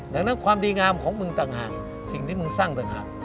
ดังนั้นความดีงามของมึงต่างหาก